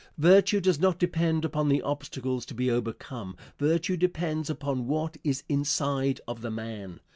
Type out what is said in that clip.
Virtue does not depend upon the obstacles to be overcome; virtue depends upon what is inside of the man.